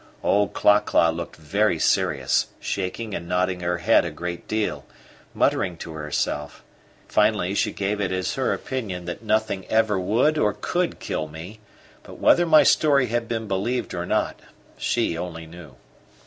Old Cla cla looked very serious, shaking and nodding her head a great deal, muttering to herself; finally she gave it as her opinion that nothing ever would or could kill me; but whether my story had been believed or not she only knew.